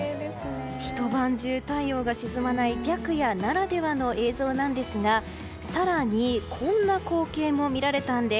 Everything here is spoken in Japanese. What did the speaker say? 一晩中太陽が沈まない白夜ならではの映像ですが更にこんな光景も見られたんです。